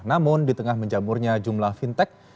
namun di tengah menjamurnya jumlah fintech